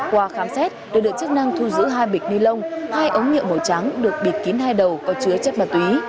qua khám xét lực lượng chức năng thu giữ hai bịch ni lông hai ống nhựa màu trắng được bịt kín hai đầu có chứa chất ma túy